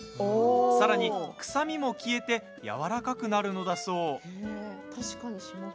さらに、臭みも消えてやわらかくなるのだそう。